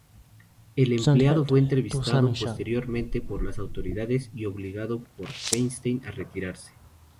El empleado fue entrevistado posteriormente por las autoridades y obligado por Feinstein a retirarse.